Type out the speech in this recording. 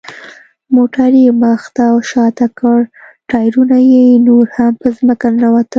موټر یې مخ ته او شاته کړ، ټایرونه یې نور هم په ځمکه ننوتل.